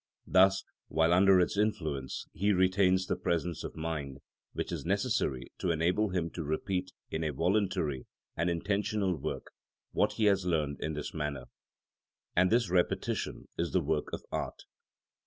Thus, while under its influence he retains the presence of mind which is necessary to enable him to repeat in a voluntary and intentional work what he has learned in this manner; and this repetition is the work of art.